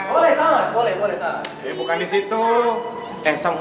boleh san boleh boleh san